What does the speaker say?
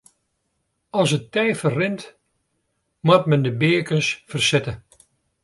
As it tij ferrint moat men de beakens fersette.